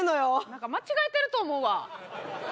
何か間違えてると思うわ！